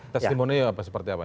testimonyo seperti apa